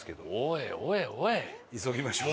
急ぎましょう。